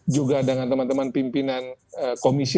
juga dengan teman teman pimpinan komisi